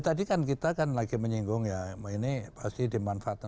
tadi kan kita kan lagi menyinggung ya ini pasti dimanfaatkan